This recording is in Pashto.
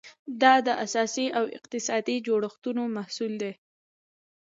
دا د سیاسي او اقتصادي جوړښتونو محصول دی.